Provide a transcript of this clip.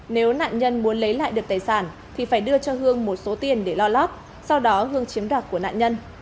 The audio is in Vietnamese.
nếu nạn nhân muốn lấy lại được tài sản thì phải đưa cho hương một số tiền để lo lót sau đó hương chiếm đoạt của nạn nhân